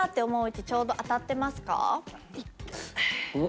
位置ちょうど当たってますか？